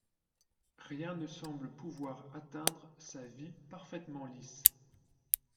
Rien ne semble pouvoir atteindre sa vie parfaitement lisse.